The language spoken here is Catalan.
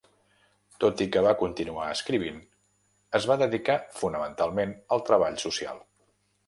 Tot i que va continuar escrivint, es va dedicar fonamentalment al treball social.